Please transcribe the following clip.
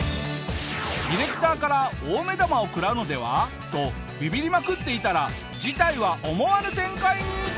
ディレクターから大目玉を食らうのでは？とビビりまくっていたら事態は思わぬ展開に！